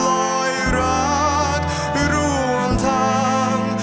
ลอยรักรวมทาง